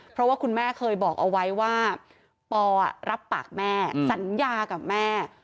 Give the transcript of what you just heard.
เพราะว่าคุณแม่เคยบอกเอาไว้ว่าปอรับปากแม่สัญญากับแม่